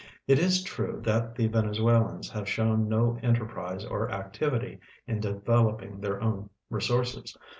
It is true that the Venezuelans have shown no enterprise or activity in develop ing their own resources.